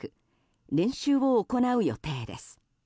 練習を行う予定です。